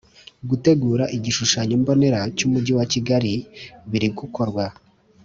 Gutegura igishushanyombonera cy Umujyi wa Kigali birigukorwa.